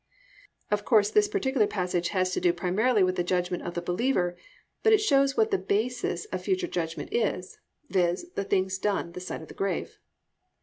Of course, this particular passage has to do primarily with the judgment of the believer, but it shows what the basis of future judgment is, viz., the things done this side of the grave.